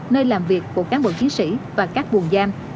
nơi làm việc của cán bộ chiến sĩ và các buồn giam